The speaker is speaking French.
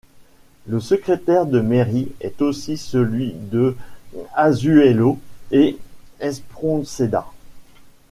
Le secrétaire de mairie est aussi celui de Azuelo et Espronceda.